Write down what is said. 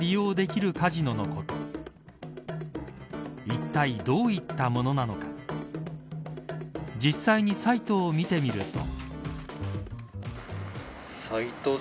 いったいどういったものなのか実際にサイトを見てみると。